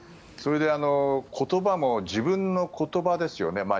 それで言葉も自分の言葉ですよね。